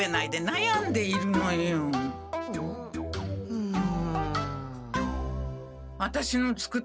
うん。